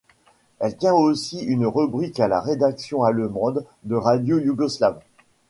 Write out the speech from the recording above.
Elle tient aussi une rubrique à la rédaction allemande de Radio Yougoslavie.